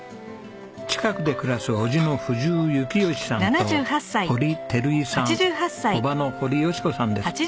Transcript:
近くで暮らすおじの藤生幸由さんと堀照尉さん伯母の堀佳子さんです。